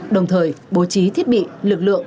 đồng thời bố trí thiết bị lực lượng